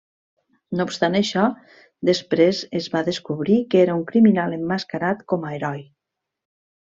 No obstant això, després es va descobrir que era un criminal emmascarat com a heroi.